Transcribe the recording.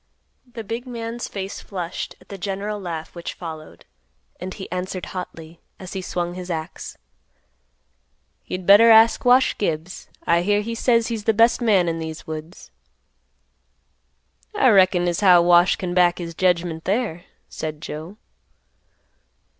The big man's face flushed at the general laugh which followed, and he answered hotly, as he swung his axe, "You'd better ask Wash Gibbs; I hear he says he's the best man in these woods." "I reckin as how Wash can back his jedgment there," said Joe.